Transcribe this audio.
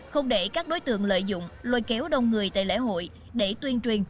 không để các đối tượng lợi dụng lôi kéo đông người tại lễ hội để tuyên truyền